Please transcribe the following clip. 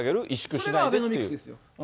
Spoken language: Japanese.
それがアベノミクスですよ。